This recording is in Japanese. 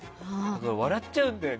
笑っちゃうんだよね。